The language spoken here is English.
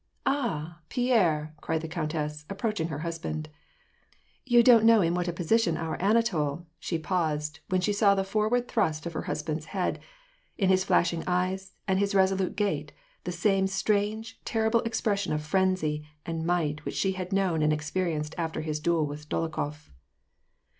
" Ah, Pierre !" cried the countess, approaching her husband. "You don't know in what a position our Anatol" — She paused, when she saw in the forward thrust of her husband's nead, in his flashing eyes, and his resolute gait, the same strange, terrible expression of frenzy and might which she had known and experienced after his duel with Dolokhof.